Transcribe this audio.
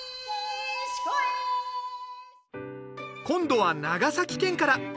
今度は長崎県から。